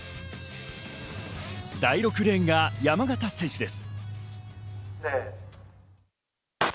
第６レーンが山縣選手です。